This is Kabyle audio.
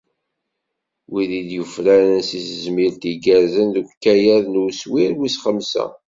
Wid i d-yufraren s tezmilt igerrzen deg ukayad n uswir wis xemsa.